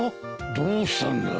どうしたんだい？